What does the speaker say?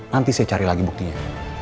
nanti saya cari lagi buktinya